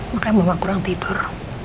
makanya mama kurang tidur